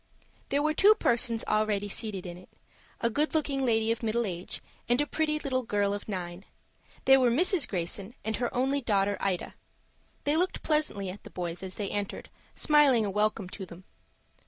There were two persons already seated in it,—a good looking lady of middle age, and a pretty little girl of nine. They were Mrs. Greyson and her only daughter Ida. They looked pleasantly at the boys as they entered, smiling a welcome to them.